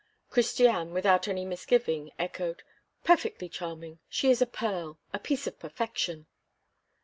Christiane, without any misgiving, echoed: "Perfectly charming. She is a pearl! a piece of perfection!"